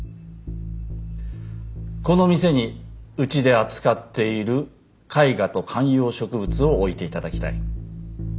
この店にうちで扱っている絵画と観葉植物を置いていただきたい。